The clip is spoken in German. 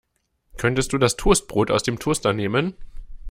Könntest du das Toastbrot aus dem Toaster nehmen.